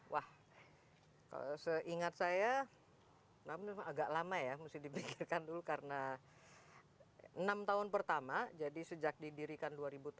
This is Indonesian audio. wah seingat saya memang agak lama ya mesti dipikirkan dulu karena enam tahun pertama jadi sejak didirikan dua ribu tujuh